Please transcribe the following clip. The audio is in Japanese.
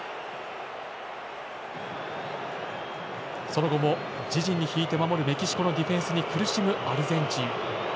その後も自陣に引いて守るメキシコのディフェンスに苦しむアルゼンチン。